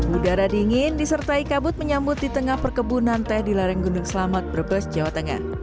udara dingin disertai kabut menyambut di tengah perkebunan teh di lereng gunung selamet brebes jawa tengah